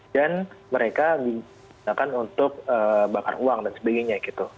dan mereka misalkan untuk bakar uang dan sebagainya gitu